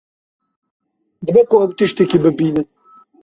Dibe ku ew tiştekî bibînin.